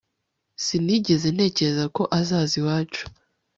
Sinigeze ntekereza ko azaza iwacu